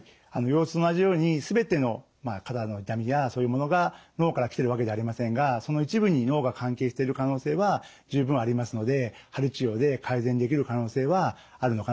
腰痛と同じように全ての肩の痛みやそういうものが脳から来てるわけじゃありませんがその一部に脳が関係している可能性は十分ありますので鍼治療で改善できる可能性はあるのかなというふうに思います。